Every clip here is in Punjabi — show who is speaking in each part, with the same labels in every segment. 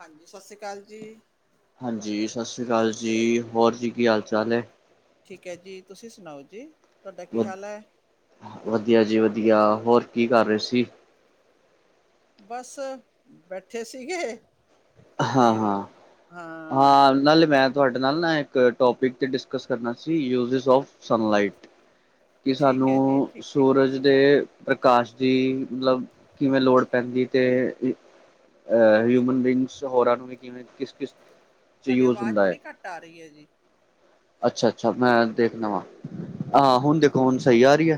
Speaker 1: ਹਾਂਜੀ, ਸਤਿ ਸ੍ਰੀ ਅਕਾਲ ਜੀ।
Speaker 2: ਹਾਂਜੀ, ਸਤਿ ਸ੍ਰੀ ਅਕਾਲ ਜੀ ਹੋਰ ਜੀ ਕੀ ਹਾਲ ਚਾਲ ਹੈ।
Speaker 1: ਠੀਕ ਏ ਜੀ, ਤੁਸੀਂ ਸੁਣਾਓ ਜੀ, ਤੁਹਾਡਾ
Speaker 2: ਵ
Speaker 1: ਕੀ ਹਾਲ ਏ
Speaker 2: ਵਧੀਆ ਜੀ ਵਧੀਆ, ਹੋਰ ਕੀ ਕਰ ਰਹੇ ਸੀ
Speaker 1: ਬਸ, ਬੈਠੇ ਸੀਗੇ ਓਦਾਂ
Speaker 2: ਹਾਂ-
Speaker 1: ਹੀ
Speaker 2: ਹਾਂ, ਹਾਂ ਨਾਲੇ ਮੈਂ ਤੁਆਡੇ ਨਾਲ ਨਾ ਇੱਕ ਟੋਪਿਕ ਤੇ ਡਿਸਕਸ ਕਰਨਾ ਸੀ ਯੂਜੀਸ ਅੋਫ ਸਨਲਾਈਟ ਕਿ
Speaker 1: ਠੀਕ ਹੈ ਜੀ
Speaker 2: ਸਾਨੂੰ,
Speaker 1: ਠੀਕ ਠੀਕ
Speaker 2: ਸੂਰਜ ਦੇ, ਪ੍ਰਕਾਸ਼ ਦੀ ਮਤਲਬ ਕਿਵੇਂ ਲੋੜ ਪੈਂਦੀ ਤੇ, ਅਹ ਹਿਊਮਨ ਬੀਗਿੰਸ ਹੋਰਾਂ ਨੂੰ ਵੀ ਕਿਵੇਂ ਕਿਸ- ਕਿਸ ਚ
Speaker 1: ਤੁਹਾਡੀ
Speaker 2: ਯੂਜ
Speaker 1: ਆਵਾਜ਼
Speaker 2: ਹੁੰਦਾ
Speaker 1: ਬੜੀ
Speaker 2: ਹੈ।
Speaker 1: ਘੱਟ ਆ ਰਹੀ ਏ ਜੀ
Speaker 2: ਅੱਛਾ, ਅੱਛਾ ਮੈਂ ਦੇਖਨਾ ਵਾਂ ਹਾਂ ਹੁਣ
Speaker 1: ਹਾਂਜੀ
Speaker 2: ਦੇਖੋ ਹੁਣ ਸਹੀ ਆ ਰੀ ਏ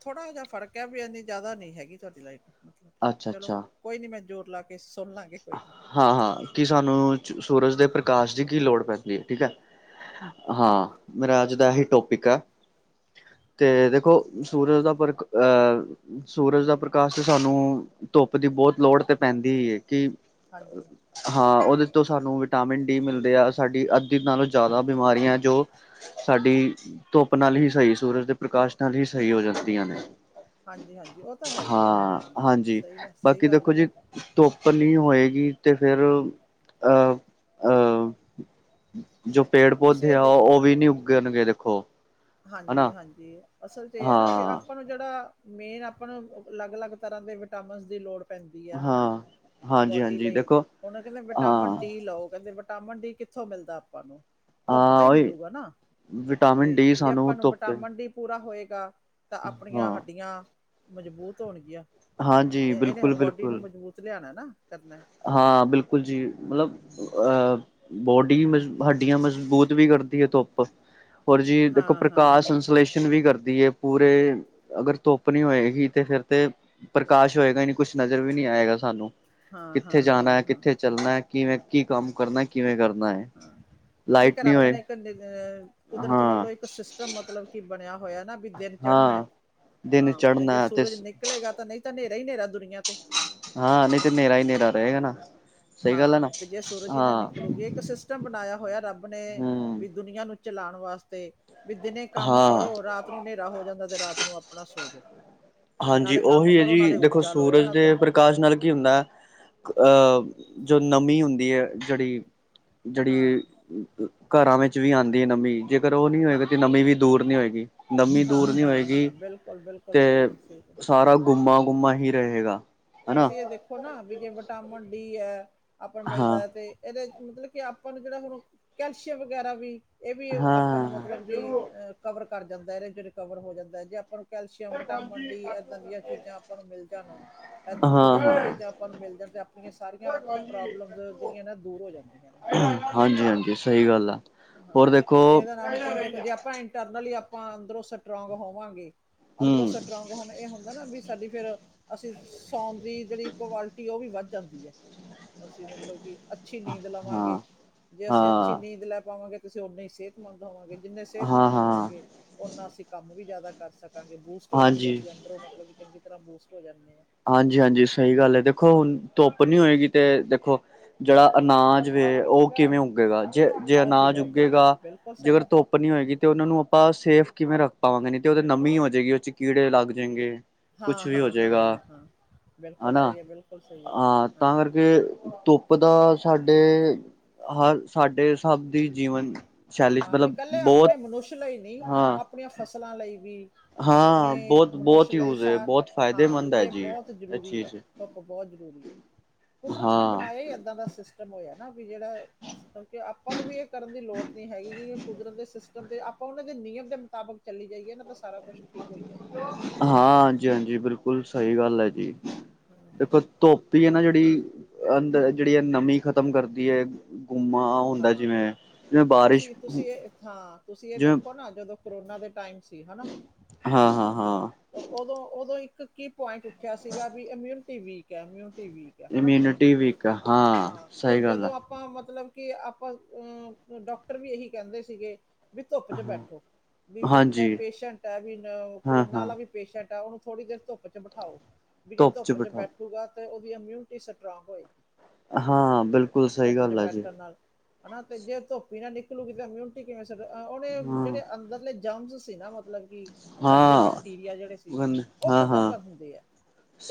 Speaker 1: ਥੋੜਾ ਜਾ ਫਰਕ ਏ ਵੀ ਏਂਨੀ ਜ਼ਿਆਦਾ ਨੀ ਹੈਗੀ ਤੁਆਡੀ ਲਾਈਫ ਮਤਲਬ
Speaker 2: ਅੱਛਾ
Speaker 1: ਚਲੋ ਕੋਈ ਨੀ ਮੈਂ ਜ਼ੋਰ ਲਾ ਕੇ ਸੁਣ ਲਾਂਗੀ
Speaker 2: ਹਾਂ, ਹਾਂ ਕਿ ਸਾਨੂੰ ਸੂਰਜ ਦੇ ਪ੍ਰਕਾਸ਼ ਦੀ ਕੀ ਲੋੜ ਪੈਂਦੀ ਏ ਠੀਕ ਏ ਹਾਂ ਮੇਰਾ ਅੱਜ ਦਾ ਆਹੀ ਟੋਪਿਕ ਆ ਤੇ ਦੇਖੋ ਸੂਰਜ ਦਾ ਪਰਕ ਅ ਸੂਰਜ ਦਾ ਪ੍ਰਕਾਸ਼ ਤੇ ਸਾਨੂੰ ਧੁੱਪ ਦੀ ਬੋਤ ਲੋੜ ਤੇ ਪੈਂਦੀ ਏ ਕਿ
Speaker 1: ਹਾਂਜੀ
Speaker 2: ਹਾਂ
Speaker 1: ਹਾਂਜੀ
Speaker 2: ਉਹਦੇ ਤੋਂ ਸਾਨੂੰ ਵਿਟਾਮਿਨ ਡੀ ਮਿਲਦੇ ਆ ਸਾਡੀ ਅੱਧੀ ਨਾਲੋਂ ਜ਼ਾਦਾ ਬਿਮਾਰੀਆਂ ਜੋ ਸਾਡੀ ਧੁੱਪ ਨਾਲ ਈ ਸਈ ਸੂਰਜ ਦੇ ਪ੍ਰਕਾਸ਼ ਨਾਲ ਈ ਸਈ ਹੋ ਜਾਂਦੀਆਂ ਨੇ
Speaker 1: ਹਾਂਜੀ ਹਾਂਜੀ ਉਹ ਤਾਂ ਹੈ ਹੀ ਹੈ
Speaker 2: ਹਾਂ ਹਾਂਜੀ
Speaker 1: ਸਹੀ ਗੱਲ ਸਹੀ
Speaker 2: ਬਾਕੀ
Speaker 1: ਗੱਲ
Speaker 2: ਦੇਖੋ
Speaker 1: ਹੈ
Speaker 2: ਜੀ ਧੁੱਪ ਨੀਂ ਹੋਏਗੀ ਤੇ ਫਿਰ ਅ ਅ ਜੋ ਪੇੜ
Speaker 1: ਤੁਸੀਂ
Speaker 2: ਪੌਦੇ
Speaker 1: ਇਹ
Speaker 2: ਆ
Speaker 1: ਦੇਖੋ
Speaker 2: ਉਹ
Speaker 1: ਨਾ
Speaker 2: ਵੀ ਨੀ ਉੱਗਣਗੇ ਦੇਖੋ ਹਨਾ
Speaker 1: ਹਾਂਜੀ, ਹਾਂਜੀ ਅਸਲ ਚ ਏ ਆ ਨਾ ਵੀ
Speaker 2: ਹਾਂ
Speaker 1: ਆਪਾਂ ਨੂੰ ਜਿਹੜਾ ਮੇਨ ਆਪਾਂ ਨੂੰ ਅਲੱਗ ਅਲੱਗ ਤਰ੍ਹਾਂ ਦੇ ਵਿਟਾਮਿਨ ਦੀ ਲੋੜ ਪੈਂਦੀ ਆ ਹਨਾ
Speaker 2: ਹਾਂ ਹਾਂਜੀ
Speaker 1: ਬੋਡੀ
Speaker 2: ਹਾਂਜੀ
Speaker 1: ਲਈ
Speaker 2: ਦੇਖੋ
Speaker 1: ਹੁਣ ਕਹਿੰਦੇ
Speaker 2: ਹਾਂ
Speaker 1: ਵਿਟਾਮਿਨ ਡੀ ਲੋ ਕਹਿੰਦੇ ਵਿਟਾਮਿਨ ਡੀ ਕਿੱਥੋਂ ਮਿਲਦਾ ਆਪਾਂ ਨੂੰ ਧੁੱਪ ਤੋਂ ਈ
Speaker 2: ਹਾਂ ਉਹੀ
Speaker 1: ਮਿਲੂਗਾ ਨਾ
Speaker 2: ਵਿਟਾਮਿਨ
Speaker 1: ਤੇ
Speaker 2: ਡੀ
Speaker 1: ਜੇ
Speaker 2: ਸਾਨੂੰ
Speaker 1: ਆਪਾਂ ਨੂੰ
Speaker 2: ਧੁੱਪ ਤੇ
Speaker 1: ਵਟਾਮਿਨ ਡੀ ਪੂਰਾ ਹੋਏਗਾ ਤਾਂ ਆਪਣੀਆਂ
Speaker 2: ਹਾਂ
Speaker 1: ਹੱਡੀਆਂ ਮਜ਼ਬੂਤ ਹੋਣਗੀਆਂ
Speaker 2: ਹਾਂਜੀ
Speaker 1: ਏ ਇਹਨੇ
Speaker 2: ਬਿਲਕੁਲ
Speaker 1: ਬੋਡੀ ਨੂੰ
Speaker 2: ਬਿਲਕੁਲ
Speaker 1: ਮਜ਼ਬੂਤ ਲਿਆਣਾ ਨਾ ਕਰਨਾ
Speaker 2: ਹਾਂ ਬਿਲਕੁਲ ਜੀ ਮਤਲਬ ਅ ਬੋਡੀ ਹੱਡੀਆਂ ਮਜ਼ਬੂਤ ਵੀ ਕਰਦੀ ਆ ਧੁੱਪ ਹੋਰ ਜੀ ਦੇਖੋ
Speaker 1: ਹਾਂ ਹਾਂ
Speaker 2: ਪ੍ਰਕਾਸ਼
Speaker 1: ਹਾਂ
Speaker 2: ਸੰਸਲੇਸ਼ਨ ਵੀ ਕਰਦੀ ਏ ਪੂਰੇ ਅਗਰ ਧੁੱਪ ਨੀ ਹੋਏਗੀ ਤੇ ਫਿਰ ਤੇ ਪ੍ਰਕਾਸ਼ ਹੋਏਗਾ ਨੀ, ਕੁਛ ਨਜ਼ਰ ਵੀ ਨੀ ਆਏਗਾ ਸਾਨੂੰ।
Speaker 1: ਹਾਂ
Speaker 2: ਕਿੱਥੇ
Speaker 1: ਹਾਂ ਹਾਂ
Speaker 2: ਜਾਣਾ,
Speaker 1: ਹਾਂ
Speaker 2: ਕਿੱਥੇ ਚੱਲਣਾ, ਕਿਵੇਂ ਕੀ ਕੰਮ ਕਰਨਾ, ਕਿਵੇਂ ਕਰਨਾ ਏ।
Speaker 1: ਹਾਂ, ਇੱਕ ਰੱਬ ਨੇ ਇੱਕ ਨੀਅ ਕੁਦਰਤ
Speaker 2: ਹਾਂ
Speaker 1: ਵੱਲੋਂ ਇੱਕ ਸਿਸ ਟਮ ਮਤਲਬ ਕਿ ਬਣਿਆ ਹੋਇਆ ਨਾ ਬੀ ਦਿਨ ਚੜ੍ਹਨਾ
Speaker 2: ਹਾਂ ਦਿਨ
Speaker 1: ਹਾਂ, ਤੇ ਜੇ
Speaker 2: ਚੜ੍ਹਨਾ
Speaker 1: ਸੂਰਜ ਨਿਕ ਲੇਗਾ ਤਾਂ ਨਹੀਂ ਤਾਂ ਨੇਰਾ ਈ ਨੇਰਾ ਦੁਨੀਆਂ ਤੇ।
Speaker 2: ਹਾਂ, ਨਹੀਂ ਤੇ ਨੇਰਾ ਹੀ ਨੇਰਾ ਰਹਿ ਜਾਣਾ।
Speaker 1: ਹਾਂ, ਤੇ ਜੇ ਸੂਰਜ ਈ ਨਾ ਨਿਕਲੂ ਏ ਇੱਕ ਸਿਸਟਮ ਬਣਾਇਆ ਹੋਇਆ ਰੱਬ ਨੇ
Speaker 2: ਹਮ
Speaker 1: ਬਈ ਦੁਨੀਆਂ ਨੂੰ ਚਲਾਣ ਵਾਸਤੇ ਵੀ ਦਿਨੇ ਕੰਮ
Speaker 2: ਹਾਂ
Speaker 1: ਕਰੋ ਰਾਤ ਨੂੰ ਨੇਰਾ ਹੋ ਜਾਂਦਾ ਤੇ ਰਾਤ ਨੂੰ ਆਪਣਾ ਸੋਵੋ
Speaker 2: ਹਾਂਜੀ ਉਹੀ ਹੈ ਜੀ ਦੇਖੋ
Speaker 1: ਲਓ
Speaker 2: ਸੂਰਜ
Speaker 1: ਇਹਨਾਂ ਤੋਂ
Speaker 2: ਦੇ ਪ੍ਕਾਸ਼ ਨਾਲ ਕੀ ਹੁੰਦਾ ਅ ਜੋ ਨਮੀ ਹੁੰਦੀ ਏ ਜਿਹੜੀ
Speaker 1: ਹਾਂ
Speaker 2: ਜਿਹੜੀ ਘਰਾਂ ਵਿੱਚ ਵੀ ਆਂਦੀ ਏ ਨਮੀ ਜੇਕਰ ਉ ਨੀ
Speaker 1: ਹਾਂ
Speaker 2: ਹੋਏਗਾ ਤਾਂ ਨਮੀ ਵੀ ਦੂਰ ਨੀ ਹੋਏਗੀ ਨਮੀ ਦੂਰ
Speaker 1: ਹਾਂ
Speaker 2: ਨੀ
Speaker 1: ਹਾਂ
Speaker 2: ਹੋਏਗੀ
Speaker 1: ਹਾਂ ਬਿਲਕੁਲ ਬਿਲਕੁਲ
Speaker 2: ਤੇ
Speaker 1: ਸਹੀ ਹੈ ਸਹੀ
Speaker 2: ਸਾਰਾ ਗੁੰਮਾ ਗੁੰਮਾ ਹੀ ਰਹੇਗਾ ਹਨਾ
Speaker 1: ਤੁਸੀਂ ਏ ਦੇਖੋ ਨਾ ਵੀ ਜੇ ਵਿਟਾਮਿਨ ਡੀ ਏ ਆਪਾਂ
Speaker 2: ਹਾਂ
Speaker 1: ਮਿਲਦਾ ਤੇ ਇਹਦੇ ਮਤਲਬ ਕਿ ਆਪਾਂ ਨੂੰ ਜਿਹੜਾ ਹੁਣ ਕੈਲਸ਼ੀਅਮ ਵਗੈਰਾ ਵੀ ਇਹ ਵੀ ਆਪਾਂ ਨੂੰ
Speaker 2: ਹਾਂ
Speaker 1: ਮਤਲਬ ਕਿ ਕਵਰ ਕਰ ਜਾਂਦਾ ਇਹਦੇ ਚ ਰਿਕਵਰ ਹੋ ਜਾਂਦਾ ਜੇ ਆਪਾਂ ਨੂੰ ਕੈਲਸ਼ੀਅਮ, ਵਿਟਾਮਨ-ਡੀ ਐਦਾਂ ਦੀਆਂ ਚੀਜ਼ਾਂ ਆਪਾਂ ਨੂੰ ਮਿਲ ਜਾਣ। ਐ
Speaker 2: ਹਾਂ
Speaker 1: ਕੁਦਰਤੀ
Speaker 2: ਹਾਂ
Speaker 1: ਚੀਜ਼ਾਂ ਆਪਾਂ ਨੂੰ ਮਿਲ ਜਾਣ ਤੇ ਆਪਣੀਆਂ ਸਾਰੀਆਂ ਪ੍ਰੋਬਲਮਸ ਜਿਹੜੀਆਂ ਨਾ ਦੂਰ ਹੋ ਜਾਂਦੀਆਂ ਨੇ।
Speaker 2: ਹਾਂਜੀ ਹਾਂਜੀ, ਸਹੀ ਗੱਲ ਆ
Speaker 1: ਹਾਂ
Speaker 2: ਹੋਰ ਦੇਖੋ।
Speaker 1: ਤੇ ਇਹਦਾ ਨਾਲ ਹੁਣ ਤੁਸੀਂ ਦੇਖੋ ਜੇ ਆਪਾਂ ਇੰਟਰਨਲੀ ਆਪਾਂ ਅੰਦਰੋਂ ਸਟਰੋਂਗ ਹੋਵਾਂਗੇ, ਅੰਦਰੋਂ
Speaker 2: ਹਮ
Speaker 1: ਸਟਰੋਂਗ ਹੋਣ ਏ ਹੁੰਦਾ ਨਾ ਵੀ ਤਦੀ ਫੇਰ ਅਸੀਂ ਸੌਣ ਦੀ ਜਿਹੜੀ ਕਵਾਲਿਟੀ ਐ ਓਹ ਵੀ ਵੱਧ ਜਾਂਦੀ ਐ, ਅਸੀਂ ਮਤਲਬ ਕਿ ਅੱਛੀ ਨੀਂਦ
Speaker 2: ਹਾਂ
Speaker 1: ਲਵਾਂਗੇ। ਜੇ ਅਸੀਂ ਅੱਛੀ
Speaker 2: ਹਾਂ
Speaker 1: ਨੀਂਦ ਲੈ ਪਾਵਾਂਗੇ ਤੇ ਅਸੀਂ ਓਨੀ ਹੀ ਸੇਹ ਬਣ ਜਾਵਾਂਗੇ, ਜਿੰਨੇ
Speaker 2: ਹਾਂ
Speaker 1: ਸਿਹਤਮੰਦ
Speaker 2: ਹਾਂ
Speaker 1: ਹੋਵਾਂਗੇ ਓਨਾ ਅਸੀਂ ਕੰਮ ਵੀ ਜ਼ਿਆਦਾ ਕਰ ਸਕਾਂਗੇ ਬੂਸ ਸਟ ਹੋ ਜਾਂਗੇ,
Speaker 2: ਹਾਂਜੀ
Speaker 1: ਅਸੀਂ ਅੰਦਰੋਂ ਮਤਲਬ ਕਿ ਚੰਗੀ ਤਰ੍ਹਾਂ ਬੂਸਟ ਹੋ ਜਾਂਣੇ ਆਂ।
Speaker 2: ਹਾਂਜੀ ਹਾਂਜੀ, ਸਹੀ ਗੱਲ ਏ। ਦੇਖੋ ਹੁਣ ਧੁੱਪ ਨੀ ਹੋਏਗੀ ਤੇ ਦੇਖੋ ਜਿਹੜਾ ਅਨਾਜ ਵੇ ਓਹ ਕਿਵੇਂ ਉੱਗੇਗਾ? ਜੇ ਜੇ
Speaker 1: ਉਹ
Speaker 2: ਅਨਾਜ
Speaker 1: ਕਿਵੇਂ
Speaker 2: ਉੱਗੇਗਾ
Speaker 1: ਬਿਲਕੁਲ ਸਹੀ
Speaker 2: ਜੇਕਰ
Speaker 1: ਹੈ
Speaker 2: ਧੋੱ ਪ ਨੀ ਹੋਏਗੀ ਤੇ ਓਨਾਂ ਨੂੰ ਅਪਾਂ ਸੇਫ ਕਿਵੇਂ ਰੱਖ ਪਾਵਾਂਗੇ ਨੀ ਤੇ ਓਦੇ ਨਮੀ ਹੋ ਜੇਗੀ ਓਹ ਚ ਕੀੜੇ ਲੱਗ ਜੇਂਗੇ। ਕੁਛ
Speaker 1: ਹਾਂ
Speaker 2: ਵੀ ਹੋ
Speaker 1: ਹਾਂ ਹਾਂ ਹਾਂ
Speaker 2: ਜੇਗਾ।
Speaker 1: ਹਾਂ ਹਾਂ ਬਿਲਕੁਲ
Speaker 2: ਹਨਾ,
Speaker 1: ਸਹੀ ਹੈ ਬਿਲਕੁਲ ਸਹੀ ਹੈ
Speaker 2: ਹਾਂ ਤਾਂ ਕਰਕੇ ਧੁਪ ਪ ਦਾ ਸਾਡੇ ਹਰ ਸਾਡੇ ਸਭ ਦੀ ਜੀਵਨ ਸ਼ੈਲੀ ਚ
Speaker 1: ਹਾਂ, ਵੀ
Speaker 2: ਮਤਲਬ
Speaker 1: ਕੱਲੇ ਅਪਣੇ
Speaker 2: ਬਹੁਤ
Speaker 1: ਮਨੁਸ਼ ਲਈ ਨਹੀਂ
Speaker 2: ਹਾਂ
Speaker 1: ਆਪਣੀਆਂ ਫਸਲਾਂ ਲਈ ਵੀ ਅਪਣੇ
Speaker 2: ਹਾਂ ਬਹੁਤ
Speaker 1: ਮਨੁਸ਼
Speaker 2: ਬਹੁਤ
Speaker 1: ਲਈ
Speaker 2: ਯੂਜ ਹੈ
Speaker 1: ਸਾਹ
Speaker 2: ਬਹੁਤ
Speaker 1: ਹਾਂ
Speaker 2: ਫਾਇਦੇਮੰਦ
Speaker 1: ਬਈ
Speaker 2: ਹੈ
Speaker 1: ਏਹ
Speaker 2: ਜੀ
Speaker 1: ਬੌਤ
Speaker 2: ਇਹ
Speaker 1: ਜ਼ਰੂਰੀ ਐ।
Speaker 2: ਚੀਜ਼
Speaker 1: ਧੁੱਪ ਬੌਤ ਜ਼ਰੂਰੀ ਐ ਕੁਦਰਤ ਨੇ
Speaker 2: ਹਾਂ
Speaker 1: ਬਣਾਇਆ ਹੀ ਐਦਾਂ ਦਾ ਸਿਸ ਟਮ ਹੋਯੈ ਨਾ ਬੀ ਜੇੜਾ ਸਕੁਣ ਕੇ ਆਪਾਂ ਨੂੰ ਵੀ ਏ ਕਰਨ ਦੀ ਲੋੜ ਨੀ ਹੈਗੀ ਕਿ ਯੇ ਕੁਦਰਤ ਦੇ ਸਿਮ ਜੰਦੇ, ਆਪਾਂ ਓਨਾਂ ਦੇ ਨਿਯਮ ਦੇ ਮੁਤਾਬਿਕ ਚੱਲੀ ਜਾਈਏ ਨਾ ਤਾ ਸਾਰਾ ਕੁਛ ਠੀਕ ਹੋਈ ਜਾਏਗਾ।
Speaker 2: ਹਾਂ, ਹਾਂਜੀ-ਹਾਂਜੀ ਬਿਲਕੁਲ ਸਹੀ ਗੱਲ ਹੈ ਜੀ। ਦੇਖੋ ਧੋਪ ਈ ਏ ਨਾ ਜੇੜੀ ਅੰਦ ਜੇੜੀ ਐ ਨਮੀ ਖਤਮ ਕਰਦੀ ਏ ਘੁੰਮਾ
Speaker 1: ਹਾਂ, ਤੁਸੀਂ ਤੁਸੀਂ ਏਹ ਹਾਂ, ਤੁਸੀਂ ਏ
Speaker 2: ਜਿਵੇਂ
Speaker 1: ਦੇਖੋ ਨਾ ਜਦੋਂ ਕਰੋਨਾ ਦੇ ਟਾਈਮ ਸੀ ਹਨਾ,
Speaker 2: ਹਾਂ ਹਾਂ
Speaker 1: ਤੇ
Speaker 2: ਹਾਂ
Speaker 1: ਤੇ ਓਦੋਂ ਓਦੋਂ ਇੱਕ ਕੀ ਪੁਆਇੰਟ ਉੱਠਿਆ ਸੀਗਾ ਬੀ ਇਮਿਊਨਿਟੀ ਵੀਕ ਹੈ, ਇਮਿਊਨਿਟੀ ਵੀਕ ਹੈ ਹਨਾ
Speaker 2: ਇਮਿਊਨਿਟੀ ਵੀਕ ਆ, ਹਾਂ।
Speaker 1: ਹਾਂ, ਤੇ
Speaker 2: ਸਹੀ ਗੱਲ ਆ
Speaker 1: ਜਦੋਂ ਆਪਾਂ ਮਤਲਬ ਕਿ ਆਪਾਂ ਅ ਡਾਕਟਰ ਵੀ ਏਹੀ ਕੈੰਦੇ ਸੀਗੇ। ਵੀ ਧੁੱਪ ਚ
Speaker 2: ਹਾਂ
Speaker 1: ਬੈਠੋ, ਵੀ ਚਾਹੇ
Speaker 2: ਹਾਂਜੀ
Speaker 1: ਪੇਸ਼ੈਂਟ ਹੈ ਵੀ ਨ
Speaker 2: ਹਾਂ
Speaker 1: ਕਰੋਨਾ
Speaker 2: ਹਾਂ
Speaker 1: ਵਾਲਾ ਵੀ ਪੇਸ਼ੈਂਟ ਐ ਓਹਨੂੰ ਥੋੜੀ ਦੇਰ ਧੁਪ ਚ ਬਠਾਓ ਬੀ ਏ ਧੁੱਪ ਚ ਬੈਠ ਹੂਗਾ ਤੇ ਔਦੀ ਐਮਿਊਨਿਟੀ ਸਟਰੋਂਗ ਹੋਏਗੀ।
Speaker 2: ਹਾਂ, ਬਿਲਕੁਲ ਸਹੀ
Speaker 1: ਧੁੱਪ 'ਚ
Speaker 2: ਗੱਲ ਐ ਜੀ।
Speaker 1: ਬੈਠਣ ਨਾਲ ਹਨਾ ਤੇ ਜੇ ਧੁੱਪ ਨਾ ਨਿਕਲੂਗੀ ਤਾਂ ਇਮਿਊਨਿਟੀ ਕਿਵੇਂ ਉਹਨੇ
Speaker 2: ਹਾਂ
Speaker 1: ਜਿਹੜੇ ਅੰਦਰਲੇ ਜਾਮਸ ਸੀ ਨਾ ਮਤਲਬ ਗੰਦੇ
Speaker 2: ਹਾਂ
Speaker 1: ਬੈਕਟੀਰੀਆ ਜਿਹੜੇ ਸੀ
Speaker 2: ਗੰਦ
Speaker 1: ਉਹ
Speaker 2: ਹਾਂ
Speaker 1: ਖਤਮ
Speaker 2: ਹਾਂ
Speaker 1: ਕਰਨ ਹੁੰਦੇ ਹੈ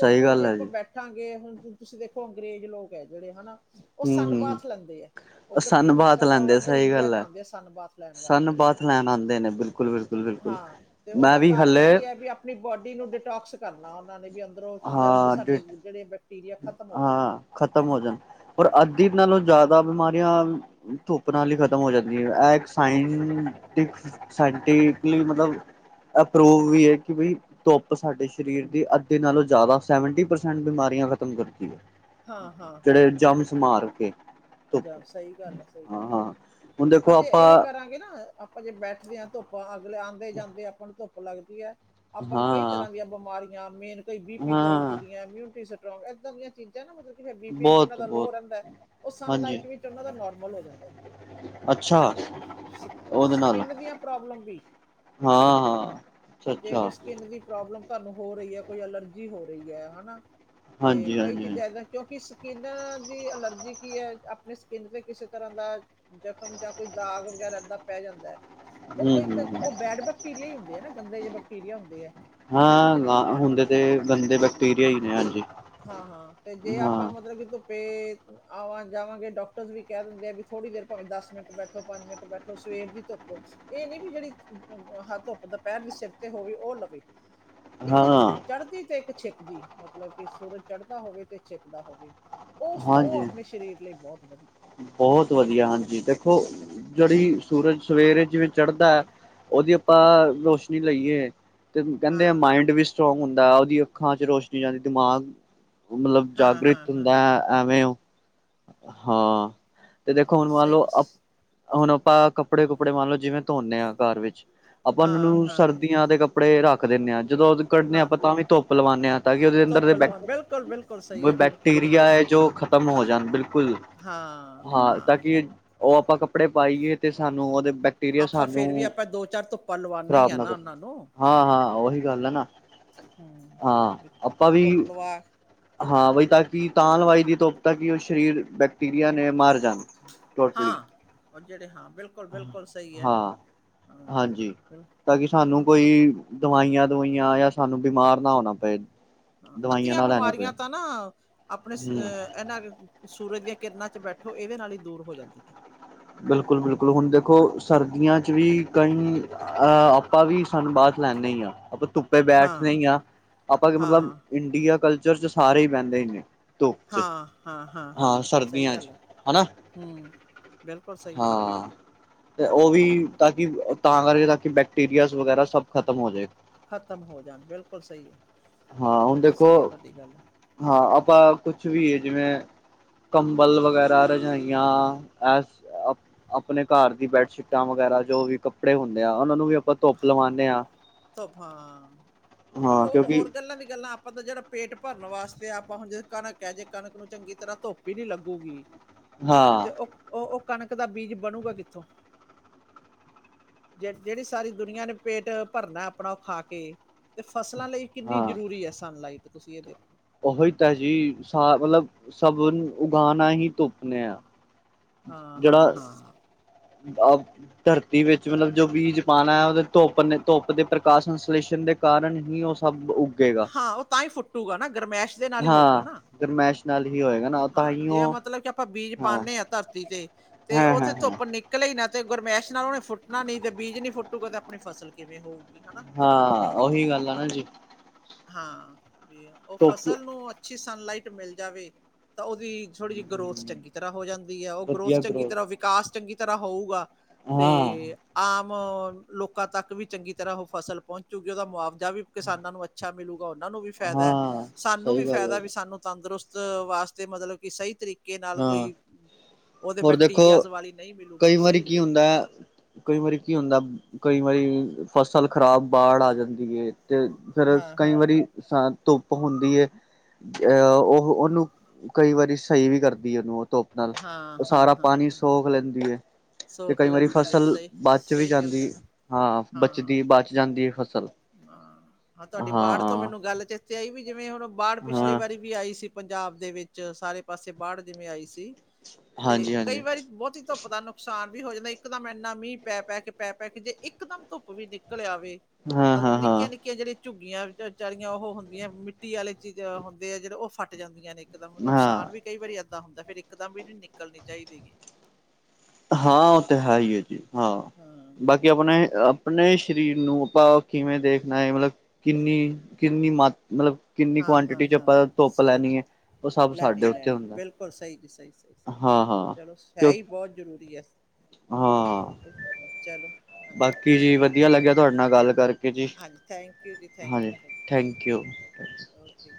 Speaker 2: ਸਹੀ
Speaker 1: ਜੇ
Speaker 2: ਗੱਲ ਹੈ
Speaker 1: ਆਪਾਂ
Speaker 2: ਜੀ
Speaker 1: ਬੈਠ ਠਾਂਗੇ ਹੁਣ ਤੁਸੀਂ ਦੇਖੋ ਅੰਗਰੇਜ਼ ਲੋਕ ਹੈ ਜਿਹੜੇ ਹਨਾ ਉਹ
Speaker 2: ਹਮ
Speaker 1: ਸਨ
Speaker 2: ਹਮ
Speaker 1: ਬਾਥ ਲੈਂਦੇ ਆ ਉੱਧਰ
Speaker 2: ਸਨ
Speaker 1: ਨਹੀਂ
Speaker 2: ਬਾਥ
Speaker 1: ਨਿਕਲਦਾ ਉਹ
Speaker 2: ਲੈਂਦੇ
Speaker 1: ਇੱਧਰ
Speaker 2: ਸਹੀ
Speaker 1: ਇੰਡੀਆ
Speaker 2: ਗੱਲ
Speaker 1: ਚ
Speaker 2: ਹੈ
Speaker 1: ਆਉਦੇ ਸਨ ਬਾਥ ਲੈਣ
Speaker 2: ਸਨ
Speaker 1: ਵਾਸਤੇ
Speaker 2: ਬਾਥ ਲੈਣ ਆਉਂਦੇ ਨੇ ਬਿਲਕੁਲ ਬਿਲਕੁਲ ਬਿਲਕੁਲ
Speaker 1: ਹਾਂ ਤੇ
Speaker 2: ਮੈਂ
Speaker 1: ਉਹਦਾ
Speaker 2: ਵੀ
Speaker 1: ਕਾਰਨ
Speaker 2: ਹਲੇ
Speaker 1: ਕੀ ਹੈ ਵੀ ਆਪ ਆਪਣੀ ਬੋਡੀ ਨੂੰ ਡਿਟੋਕਸ ਕਰਨਾ ਉਹਨਾਂ ਨੇ ਵੀ ਅੰਦਰ ਜਨਮ ਤੋਂ
Speaker 2: ਹਾਂ ਡ
Speaker 1: ਸਾਡੇ ਜਿਹੜੇ ਬੈਕਟੀਰੀਆ ਖਤਮ ਹੋ ਜਾਣ ਉਹੋ।
Speaker 2: ਖਤਮ ਹੋ ਜਾਣ ਪਰ ਅੱਧੀ ਨਾਲੋਂ ਜ਼ਿਆਦਾ ਬਿਮਾਰੀਆਂ ਧੁਪ ਪ ਨਾਲ ਹੀ ਖਤਮ ਹੋ ਜਾਂਦੀ ਏ, ਐ ਏਕ ਸਾਇੰਣ ਟਿਕ ਸਾਇੰਟਕਲੀ ਮਤਲਬ ਅਪਰੂਵ ਵੀ ਏ ਕਿ ਬੀ ਧੋੱਪ ਸਾਡੇ ਸਰੀਰ ਦੀ ਅਧ ਦੇ ਨਾਲੋਂ ਜੈਦਾ ਸੈੰਵੰਟੀ ਪਰਸੈਂਟ ਬਿਮਾਰੀਆਂ ਖ਼ਤਮ ਕਰਦੀ ਏ।
Speaker 1: ਹਾਂ ਹਾਂ
Speaker 2: ਜੇੜੇ ਜੰਮਸ ਮਾਰ ਕੇ। ਧੁੱਪ
Speaker 1: ਜਾ ਸਹੀ ਗੱਲ ਐ, ਸਹੀ
Speaker 2: ਹਾਂ
Speaker 1: ਗੱਲ
Speaker 2: ਹਾਂ ਹੁਣ ਦੇਖੋ
Speaker 1: ਅੱਜੇ ਏਹ
Speaker 2: ਆਪਾਂ
Speaker 1: ਕਰਾਂਗੇ ਨਾ ਆਪਾਂ ਜੇ ਬੈਠਦੇ ਹਾਂ ਧੁੱਪ ਤਾ ਅਗਲੇ ਆੰਦੇ ਜਾਂਦੇ ਆਪਾਂ ਨੂੰ ਧੁੱਪ ਲੱਗਦੀ ਐ ਆਪਾਂ ਨੂੰ ਕਈ
Speaker 2: ਹਾਂ
Speaker 1: ਤਰ੍ਹਾਂ ਦੀਆਂ ਬਿਮਾਰੀਆਂ ਮੇਨ ਕਈ ਬੀ ਪੀ ਲੋ
Speaker 2: ਹਾਂ
Speaker 1: ਉਠਦੀਐਂ, ਇਮਿਊਨਿਟੀ ਸਟਰੋਂਗ ਏਦਾਂ ਦੀਆਂ ਚੀਜ਼ਾਂ ਨਾ ਮਤਲਬ ਕਿ ਫੇਰ ਬੀ ਪੀ ਜਿੰਨਾ
Speaker 2: ਬਹੁਤ
Speaker 1: ਦਾ ਲੋ
Speaker 2: ਬਹੁਤ
Speaker 1: ਰੈੰਦੈ ਔ ਸਨ
Speaker 2: ਹਾਂਜੀ
Speaker 1: ਲਈਟ ਵਿੱਚ ਓਨਾਂ ਦਾ ਨੋਰਮਲ ਹੋ ਜਾਂਦਾ।
Speaker 2: ਅੱਛਾ
Speaker 1: ਦੀ
Speaker 2: ਉਹਦੇ ਨਾਲ ਹਾਂ
Speaker 1: ਸਕੀ-ਸਕਿੰਨ ਦੀਆਂ ਪ੍ਰੋਬਲਮ ਵੀ।
Speaker 2: ਹਾਂ ਅੱਛਾ
Speaker 1: ਬੀ ਜੇ
Speaker 2: ਅੱਛਾ
Speaker 1: ਕੋਈ ਸਕਿਨ ਕੀ ਪ੍ਰੋਬਲਮ ਤੁਹਾਨੂੰ ਹੋ ਰਹੀ ਐ ਕੋਈ ਅਲਰਜੀ ਹੋ ਰਹੀ ਐ ਹਨਾ ਤੇ
Speaker 2: ਹਾਂਜੀ
Speaker 1: ਕਈ
Speaker 2: ਹਾਂਜੀ
Speaker 1: ਚੀਜ਼ਾਂ ਐਦੈ ਕਿਉਂਕਿ ਸਕਿੰਨ ਦੀ ਅਲਰਜੀ ਕੀ ਹੈ, ਆਪਣੇ ਸਕਿੰਨ ਤੇ ਕਿਸੇ ਤਰ੍ਹਾਂ ਦਾ ਜ਼ਖ਼ਮ ਜਾਂ ਕੋਈ ਦਾਗ ਵਗੈਰਾ ਏਦਾਂ ਪੈ ਜਾਂਦਾ। ਉਹ
Speaker 2: ਹੂੰ
Speaker 1: ਕੋਈ ਤਾਂ
Speaker 2: ਹੂੰ
Speaker 1: ਉਹ ਬੈਡ ਬੈਕਟੀਰੀਆ ਹੀ ਹੁੰਦੇ ਹੈ ਨਾ ਗੰਦੇ ਜਿਹੇ ਬੈਕਟੀਰੀਆ ਹੁੰਦੇ ਆ।
Speaker 2: ਹਾਂ, ਹੁੰਦੇ ਤੇ ਗੰਦੇ ਬੈਕਟੀਰੀਆ ਹੀ ਨੇ ਹਾਂਜੀ
Speaker 1: ਹਾਂ-ਹਾਂ ਤੇ ਜੇ ਆਪਾਂ
Speaker 2: ਹਾਂ
Speaker 1: ਮਤਲਬ ਕਿ ਧੁੱਪੇ ਆਵਾਂ ਜਾਵਾਂਗੇ ਡਾਕਟਰਸ ਵੀ ਕਹਿ ਦਿੰਦੇ ਆ ਕਿ ਥੋੜ੍ਹੀ ਦੇਰ ਭਾਵੇ ਦਸ ਮਿੰਟ ਬੈਠੋ ਪੰਜ ਮਿੰਟ ਬੈਠੋ ਸਵੇਰ ਦੀ ਧੁੱਪੋ ਇਹ ਨੀ ਵੀ ਜਿਹੜੀ ਹੱ ਧੁੱਪ ਦੁਪਹਿਰ ਵੀ ਸਿਰ ਤੇ ਹੋਵੇ ਉਹ ਲਵੇ। ਇੱਕ
Speaker 2: ਹਾਂ
Speaker 1: ਚੜ੍ਹਦੀ ਤੇ ਇੱਕ ਛਿਪਦੀ ਮਤਲਬ ਕਿ ਸੂਰਜ ਚੜ੍ਹਦਾ ਹੋਵੇ ਤੇ ਛਿਪਦਾ ਹੋਵੇ। ਓਸ ਉਹ
Speaker 2: ਹਾਂਜੀ
Speaker 1: ਆਪਣੇ ਸਰੀਰ ਲਈ ਬਹੁਤ ਵਧੀਆ।
Speaker 2: ਬਹੁਤ ਵਧੀਆ ਹਾਂਜੀ ਦੇਖੋ। ਜਿਹੜੀ ਸੂਰਜ ਸਵੇਰੇ ਜਿਵੇਂ ਚੜ੍ਹਦਾ ਹੈ ਉਹਦੀ ਆਪਾਂ ਰੋਸ਼ਨੀ ਲਈਏ। ਤੇ ਕਹਿੰਦੇ
Speaker 1: ਹਾਂ,
Speaker 2: ਮਾਇੰਡ ਵੀ ਸਟਰੋਂਗ ਹੁੰਦਾ ਉਹਦੀ ਅੱਖਾਂ ਚ ਰੋਸ਼ਨੀ ਜਾਂਦੀ ਦਿਮਾਗ। ਮਤਲਬ
Speaker 1: ਹਾਂ,
Speaker 2: ਜਾਗ੍ਰਿਤ
Speaker 1: ਹਾਂ, ਹਾਂ,
Speaker 2: ਹੁੰਦਾ ਹੈ ਐਵੇਂ ਉਹ ਹਾਂ ਤੇ ਦੇਖੋ
Speaker 1: ਹਾਂ
Speaker 2: ਹੁਣ ਮਨ
Speaker 1: ਸਹੀ
Speaker 2: ਲਓ ਹੁਣ ਆਪਾਂ ਕੱਪੜੇ ਕੁੱਪੜੇ ਮੰਨ ਲਓ ਜਿਵੇਂ ਧੋਨਦੇ ਹਾਂ ਘਰ ਵਿੱਚ ਆਪਾਂ ਉਹਨਾਂ
Speaker 1: ਹਾਂ,
Speaker 2: ਨੂੰ
Speaker 1: ਹਾਂ,
Speaker 2: ਸਰਦੀ। ਆਂ ਦੇ ਕੱਪੜੇ ਰੱਖ ਦਿੰਦੇ ਆਂ ਜਦੋਂ ਕੱਢਦੇ ਹਾਂ ਆਪਾਂ ਤਾਂ ਵੀ ਧੁੱਪ ਲਵਾਉਂਦੇ ਹਾਂ ਤਾਂ ਕਿ ਉਹਦੇ
Speaker 1: ਧੁੱਪ
Speaker 2: ਅੰਦਰ ਬੈਕ
Speaker 1: ਲਵਾ ਬਿਲਕੁਲ-ਬਿਲਕੁਲ ਸਹੀ ਹੈ ਬਿਲਕੁਲ
Speaker 2: ਬੈਕਟੀਰੀਆ ਹੈ
Speaker 1: ਹਾਂ,
Speaker 2: ਜੋ। ਖਤਮ ਹੋ ਜਾਣਾ ਬਿਲਕੁਲ
Speaker 1: ਹਾਂ।
Speaker 2: ਹਾਂ ਤਾਂ ਕਿ ਉਹ ਆਪਾਂ ਕੱਪੜੇ ਪਾਈਏ ਤੇ ਸਾਨੂੰ ਉਹਦੇ ਬੈਕਟੀਰੀਆ
Speaker 1: ਆਪਾਂ ਫੇਰ ਵੀ
Speaker 2: ਸਾਨੂੰ
Speaker 1: ਆਪਾਂ ਦੋ ਚਾਰ ਧੁੱਪਾ ਲਵਾਉਂਦੇ ਹੀ
Speaker 2: ਖ਼ਰਾਬ
Speaker 1: ਹ ਨਾ
Speaker 2: ਕਰਨ
Speaker 1: ਉਹਨਾਂ ਨੂੰ।
Speaker 2: ਹਾਂ ਹਾਂ ਉਹੀ ਗੱਲ ਹੈ ਨਾ
Speaker 1: ਹੂੰ।
Speaker 2: ਹਾਂ
Speaker 1: ਵੀ
Speaker 2: ਆਪਾਂ ਵੀ
Speaker 1: ਧੁੱਪ ਲਵਾ
Speaker 2: ਹਾਂ ਬਈ ਤਾਂ ਕਿ ਤਾਂ ਲਵਾਈ ਦੀ ਧੁੱਪ ਤਾਂ ਕਿ ਉਹ ਸਰੀਰ ਬੈਕਟੀਰੀਆ ਨੇ ਮਾਰ। ਟੋਟਲੀ
Speaker 1: ਹਾਂ ਉਹ ਜਿਹੜੇ ਹਾਂ ਬਿਲਕੁਲ-ਬਿਲਕੁਲ ਸਹੀ ਹੈ
Speaker 2: ਹਾਂ। [unintelligible]
Speaker 1: ਹਾਂ।
Speaker 2: ਹਾਂਜੀ।
Speaker 1: ਬਿਲ-
Speaker 2: ਤਾਂ ਕਿ ਸਾਨੂੰ ਕੋਈ ਦਵਾਈਆਂ ਦਵਾਈਆਂ ਜਾਂ ਸਾਨੂੰ ਬਿਮਾਰ ਨਾ ਹੋਣਾ ਪਏ
Speaker 1: ਹਾਂ
Speaker 2: ਦਵਾਈਆਂ
Speaker 1: ਅੱਧੀਆਂ
Speaker 2: ਨਾ ਲੈਣੀ ਪਏ
Speaker 1: ਬਿਮਾਰੀਆਂ ਤਾਂ ਨਾ ਆਪਣੇ
Speaker 2: ਹਮ
Speaker 1: ਇਹਨਾਂ ਸੂਰਜ ਦੀਆਂ ਕਿਰਨਾਂ 'ਚ ਬੈਠੋ ਇਹਦੇ ਨਾਲ ਹੀ ਦੂਰ ਹੋ ਜਾਂਦੀ ਨੇ।
Speaker 2: ਬਿਲਕੁਲ ਬਿਲਕੁਲ ਹੁਣ ਦੇਖੋ ਸਰਦੀਆਂ ਚ ਵੀ ਕਈ। ਅਹ ਆਪਾਂ ਵੀ ਸਾਨੂੰ ਸਨ ਬਾਥ ਲੈਣੇ ਹੀ ਆ ਆਪਾਂ ਧੁੱਪ। ਬੈਠਦੇ
Speaker 1: ਹਾਂ,
Speaker 2: ਹੀ ਹ ਆਪਾਂ ਕਿ ਮਤਲਬ
Speaker 1: ਹਾਂ,
Speaker 2: ਇੰਡੀਆ ਕਲਚਰ ਚ ਸਾਰੇ। ਪੈਂਦੇ ਹੀ ਨੇ ਧੁੱਪ ਚ
Speaker 1: ਹਾਂ, ਹਾਂ,
Speaker 2: ਹਾਂ ਸਰਦੀਆਂ ਚ ਹਨਾ।
Speaker 1: ਹਮ ਬਿਲਕੁਲ ਸਹੀ ਹੈ।
Speaker 2: ਹਾਂ ਤੇ ਉਹ ਵੀ ਤਾਂ ਕਿ ਤਾਂ ਕਰਕੇ ਤਾਂ ਕਿ ਬੈਕਟੀਰੀਆ ਵਗੈਰਾ ਸਭ ਖ਼ਤਮ ਹੋ ਜਾਵੇ।
Speaker 1: ਖ਼ਤਮ ਹੋ ਜਾਣ ਬਿਲਕੁਲ ਸਹੀ ਹੈ।
Speaker 2: ਹਾਂ ਹੁਣ ਦੇਖੋ।
Speaker 1: ਵ ਗੱਲ।
Speaker 2: ਹਾਂ ਆਪਾਂ ਕੁਛ ਵੀ ਹੈ ਜਿਵੇਂ। ਕੰਬਲ ਵਗੈਰਾ ਰਜਾਈਆਂ ਐਸ। ਆਪਣੇ ਘਰ ਦੀ ਬੈਡਸ਼ੀਟਾਂ ਵਗੈਰਾ ਜੋ ਵੀ ਕੱਪੜੇ ਹੁੰਦੇ ਆ ਉਹਨਾਂ ਨੂੰ ਵੀ ਆਪਾਂ ਧੁੱਪ ਲਵਾਉਂਦੇ ਹਾਂ। ਹਾਂ ਕਿਉਂਕਿ
Speaker 1: ਹੋਰ ਗੱਲਾਂ ਦੀ ਗੱਲਾਂ ਆਪਾਂ ਤਾਂ ਜਿਹੜਾ ਪੇਟ ਭਰਨ ਵਾਸਤੇ ਆਪਾਂ ਹੁਣ ਜੇ ਕਣਕ ਹੈ ਜੇ ਕਣਕ ਨੂੰ ਚੰਗੀ ਤਰ੍ਹਾਂ ਧੁੱਪ ਹੀ ਨੀ ਲੱਗੂਗੀ।
Speaker 2: ਹਾਂ
Speaker 1: ਤੇ ਉਹ ਕਣਕ ਦਾ ਬੀਜ ਬਣੂਗਾ ਕਿੱਥੋਂ ਜਿਹੜੀ ਸਾਰੀ ਦੁਨੀਆ ਨੇ ਪੇਟ ਭਰਨਾ ਆਪਣਾ ਉਹ ਖਾ ਕੇ ਤੇ ਫਸਲਾਂ ਲਈ ਕਿੰਨੀ
Speaker 2: ਹਾਂ
Speaker 1: ਜ਼ਰੂਰੀ ਹੈ। ਸਨ ਲਈਟ ਤੁਸੀਂ ਇਹ ਦੇਖੋ।
Speaker 2: ਉਹੀ ਤਾਂ ਜੀ ਮਤਲਬ ਸਬ ਨੂੰ ਉਗਾਉਣਾ ਹੀ ਤੁੁੱਪਨੇ ਆ।
Speaker 1: ਹਾਂ
Speaker 2: ਜਿਹੜਾ
Speaker 1: ਹਾਂ ਹਾਂ
Speaker 2: ਧਰਤੀ ਵਿੱਚ ਮਤਲਬ ਜੋ ਬੀਜ ਪਾਉਣਾ ਹੈ। ਉਹਦੇ ਧੁੱਪ ਨੇ ਧੁੱਪ ਦੇ ਪ੍ਰਕਾਸ਼ ਸੰਸ਼ਲੇਸ਼ਣ ਦੇ। ਕਾਰਨ ਹੀ ਉਹ ਸਭ ਉੱਗੇਗਾ
Speaker 1: ਹਾਂ ਉਹ ਤਾਂ ਹੀ ਫੁੱਟੂਗਾ ਨਾ ਗਰਮੈਸ਼। ਦੇ ਨਾਲ ਹੀ ਹੋਊਗਾ
Speaker 2: ਹਾਂ
Speaker 1: ਨਾ
Speaker 2: ਗਰਮੈਸ਼ ਨਾਲ ਹੀ ਹੋਏਗਾ। ਨਾ ਤਾਂ
Speaker 1: ਹਾਂ
Speaker 2: ਹੀ
Speaker 1: ਜੇ
Speaker 2: ਉਹ
Speaker 1: ਮਤਲਬ ਕਿ ਆਪਾਂ ਬੀਜ ਪਾਉਦੇ ਹਾਂ ਧਰਤੀ ਤੇ ਤੇ
Speaker 2: ਹਾਂ
Speaker 1: ਉਹ ਤੇ
Speaker 2: ਹਾਂ ਹਾਂ
Speaker 1: ਧੁੱਪ। ਨਿਕਲੇ ਨਾ ਤੇ ਗੁਰਮੈਸ਼ ਨਾਲ ਉਹਨੇ ਫੁੱਟਣਾ ਨ ਤੇ ਬੀਜ ਨੀ ਫੁੱਟੂਗਾ ਤੇ ਆਪਣੀ ਫਸਲ ਕਿਵੇਂ ਹੋਊਗੀ ਹਨਾ।
Speaker 2: ਹਾਂ ਉਹੀ ਗੱਲ ਆ ਨਾ ਜੀ।
Speaker 1: ਹਾਂ ਵੀ ਉਹ
Speaker 2: ਧੁੱਪ
Speaker 1: ਫਸਲ ਨੂੰ ਅੱਛੀ ਸਨਲਾਈਟ ਮਿਲ ਜਾਵੇ। ਤਾਂ ਉਹਦੀ ਥੋੜੀ ਜਿਹੀ ਗਰੋਥ ਚੰਗੀ ਤਰ੍ਹਾਂ ਹੋ ਜਾਂਦੀ ਹੈ ਉਹ ਗਰੋਥ ਚੰਗੀ ਤਰ੍ਹਾਂ। ਵਿਕਾਸ ਚੰਗੀ ਤਰ੍ਹਾਂ ਹੋਊਗਾ
Speaker 2: ਹਾਂ
Speaker 1: ਤੇ। ਆਮ ਲੋਕਾਂ ਤੱਕ ਵੀ ਚੰਗੀ ਤਰ੍ਹਾਂ ਉਹ ਫਸਲ ਪਹੁੰਚੂਗੀ ਉਹਦਾ ਮੁਆਵਜ਼ਾ। ਵੀ ਕਿਸਾਨਾਂ ਨੂੰ ਅੱਛਾ ਮਿਲੂਗਾ ਉਹਨਾਂ ਨੂੰ ਵੀ ਫਾਇਦਾ ਹੈ
Speaker 2: ਹਾਂ
Speaker 1: ਸਾਨੂੰ ਵੀ
Speaker 2: ਸਹੀ ਗੱਲ ਹੈ
Speaker 1: ਫਾਇਦਾ ਵੀ
Speaker 2: ਜੀ।
Speaker 1: ਸਾਨੂੰ। ਤੰਦਰੁਸਤ ਵਾਸਤੇ ਮਤਲਬ ਕਿ ਸਹੀ ਤਰੀਕੇ ਨਾਲ
Speaker 2: ਹਾਂ
Speaker 1: ਕੋਈ ਉਹਦੇ
Speaker 2: ਹੋਰ ਦੇਖੋ
Speaker 1: ਬੈਕਟੀਰੀਆ ਵਾਲੀ ਨਹੀਂ ਮਿਲੂਗੀ
Speaker 2: ਕਈ
Speaker 1: ਵੀ
Speaker 2: ਵਾਰੀ
Speaker 1: ਸਹੀ
Speaker 2: ਕੀ ਹੁੰਦਾ
Speaker 1: ਮਿਲੂਗੀ ਸਾਨੂੰ
Speaker 2: ਕਈ ਵਾਰੀ ਕੀ ਹੁੰਦਾ ਕਈ ਵਾਰੀ ਫਸਲ ਖ਼ਰਾਬ ਬਾੜ ਆ ਜਾਂਦੀ ਹੈ ਤੇ ਸਰ
Speaker 1: ਹਾਂ,
Speaker 2: ਕਈ
Speaker 1: ਹਾਂ,
Speaker 2: ਵਾਰੀ
Speaker 1: ਹਾਂ।
Speaker 2: ਅ ਧੁੱਪ ਹੁੰਦੀ ਹੈ ਅਹ ਉਹ ਉਹਨੂੰ ਕਈ ਵਾਰੀ ਸਹੀ ਵੀ ਕਰਦੀ ਉਹਨੂੰ ਉਹ ਧੁੱਪ ਨਾਲ
Speaker 1: ਹਾਂ,
Speaker 2: ਉਹ
Speaker 1: ਹਾਂ,
Speaker 2: ਸਾਰਾ
Speaker 1: ਹਾਂ,
Speaker 2: ਪਾਣੀ
Speaker 1: ਹਾਂ
Speaker 2: ਸੋਖ ਲੈਂਦੀ ਏ ਤੇ
Speaker 1: ਸੋਖ
Speaker 2: ਕਈ ਵਾਰੀ
Speaker 1: ਲੈਂਦੀ ਆ
Speaker 2: ਫਸਲ
Speaker 1: ਸਹੀ,
Speaker 2: ਬਾਦ ਵੀ
Speaker 1: ਸਹੀ ਗੱਲ ਆ
Speaker 2: ਜਾਂਦੀ ਹਾਂ
Speaker 1: ਹਾਂ,
Speaker 2: ਬਚਦੀ ਬਾਦ ਜਾ ਦੀ ਫਸਲ
Speaker 1: ਹਾਂ ਹਾਂ ਤੁਹਾਡੀ ਬਾੜ ਤੋਂ
Speaker 2: ਹਾਂ
Speaker 1: ਮੈਨੂੰ ਗੱਲ ਚੇਤੇ ਆਈ ਵੀ ਜਿਵੇਂ ਹੁਣ ਬਾੜ ਪਿਛਲੀ
Speaker 2: ਹਾਂ
Speaker 1: ਵਾਰੀ ਵੀ ਆਈ ਸੀ ਪੰਜਾਬ ਦੇ ਵਿੱਚ ਸਾਰੇ ਪਾਸੇ ਬਾੜ ਜਿਵੇਂ ਆਈ ਸੀ ਤੇ
Speaker 2: ਹਾਂਜੀ
Speaker 1: ਕਈ
Speaker 2: ਹਾਂਜੀ
Speaker 1: ਵਾਰੀ ਬਹੁਤੀ ਧੁਪ ਧੁੱਪ ਦਾ ਨੁਕਸਾਨ ਵੀ ਹੋ ਜਾਂਦਾ ਇੱਕਦਮ ਇੰਨਾ ਮੀਂਹ ਪੈ ਪੈ ਕੇ ਪੈ ਪੈ ਕੇ ਜੇ ਇਕਦਮ ਧੁੱਪ ਵੀ ਨਿਕਲ ਆਵੇ
Speaker 2: ਹਾਂ ਹਾਂ ਹਾਂ
Speaker 1: ਨਿੱਕੀਆਂ ਨਿੱਕੀਆਂ ਜਿਹੜੀਆ ਝੁੱਗੀਆਂ ਚ ਚਾਰੀਆਂ ਉਹ ਹੁੰਦੀਆਂ ਮਿੱਟੀ ਵਾਲੇ ਚੀਜ਼ ਹੁੰਦੇ ਆ ਜਿਹੜੇ ਉਹ ਫੱਟ ਜਾਂਦੀਆਂ ਨੇ ਇਕਦਮ
Speaker 2: ਹਾਂ
Speaker 1: ਨੁਕਸਾਨ ਵੀ ਕਈ ਵਾਰੀ ਇਦਾਂ ਹੁੰਦਾ ਫਿਰ ਇੱਕਦਮ ਵੀ ਨੀ ਨਿਕਲਣੀ ਚਾਹੀਦੀ ਹੇਗੀ
Speaker 2: ਹਾਂ ਉਹ ਤੇ ਹੈ ਹੀ ਅ ਜੀ ਹਾਂ
Speaker 1: ਹਾਂ
Speaker 2: ਬਾਕੀ ਆਪਣੇ ਆਪਣੇ ਸਰੀਰ ਨੂੰ ਆਪਾਂ ਕਿਵੇਂ ਦੇਖਣਾ ਹੈ ਮਤਲਬ ਕਿੰਨੀ ਕਿੰਨੀ ਮਾ ਮਤਲਬ ਕਿੰਨੀ
Speaker 1: ਹਾਂ
Speaker 2: ਕੁਆਂਟਿਟੀ
Speaker 1: ਹਾਂ
Speaker 2: ਚ
Speaker 1: ਹਾਂ
Speaker 2: ਆਪਾਂ
Speaker 1: ਹਾਂ
Speaker 2: ਧੁੱਪ
Speaker 1: ਸਹੀ
Speaker 2: ਲੈਣੀ ਏ
Speaker 1: ਲੈਣੀ ਲੈਣੀ ਬਿਲਕੁਲ ਸਹੀ ਜੀ ਸਹੀ ਸਹੀ
Speaker 2: ਹਾਂ ਹਾਂ
Speaker 1: ਚਲੋ ਹੈ
Speaker 2: ਕਿਉਂ
Speaker 1: ਹੀ ਬਹੁਤ ਜ਼ਰੂਰੀ ਐ
Speaker 2: ਹਾਂ
Speaker 1: ਚਲੋ ਹਾਂਜੀ
Speaker 2: ਬਾਕੀ ਜੀ
Speaker 1: ਠੀਕ ਹੈ
Speaker 2: ਵਧੀਆ ਲੱਗਿਆ ਤੁਹਾਡੇ ਨਾਲ ਗੱਲ ਕਰਕੇ। ਓਕ ਜੀ
Speaker 1: ਹਾਂਜੀ ਥੈਂਕ ਯੂ ਜੀ ਥੈਂਕ
Speaker 2: ਹਾਂਜੀ
Speaker 1: you
Speaker 2: thank you.
Speaker 1: You okay